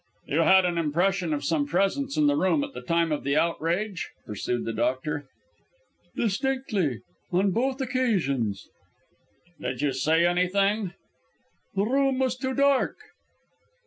"You had an impression of some presence in the room at the time of the outrage?" pursued the doctor. "Distinctly; on both occasions." "Did you see anything?" "The room was too dark."